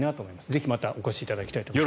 ぜひ、またお越しいただきたいと思います。